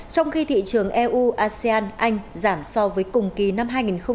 trong khi thị trường eu asean anh giảm so với cùng kỳ năm hai nghìn hai mươi